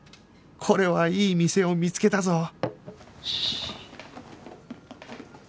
これはいい店を見つけたぞ